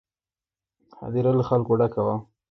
هدیره له خلکو ډکه وه.